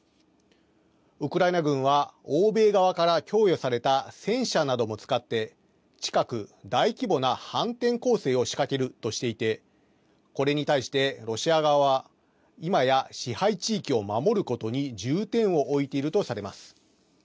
ウクライナ軍は欧米側から供与された戦車なども使って、近く、大規模な反転攻勢を仕掛けるとしていて、これに対してロシア側は、今や支配地域を守ることに重点を置いているとされています。